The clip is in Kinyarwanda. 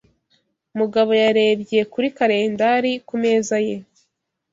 Mugabo yarebye kuri kalendari ku meza ye.